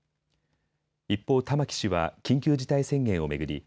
一方、玉木氏は緊急事態宣言を巡り